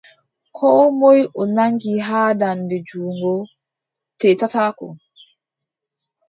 Koo moy o nanngi haa daande junngo, teetataako.